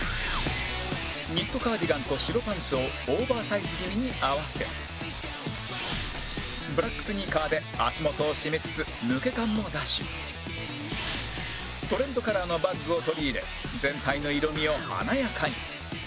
ニットカーディガンと白パンツをオーバーサイズ気味に合わせブラックスニーカーで足元を締めつつ抜け感も出しトレンドカラーのバッグを取り入れ全体の色味を華やかに